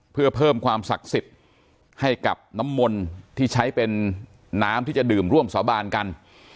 เพื่อเพิ่มความศักดิ์สิทธิ์ให้กับน้ำมนต์ที่ใช้เป็นน้ำที่จะดื่มร่วมสาบานกัน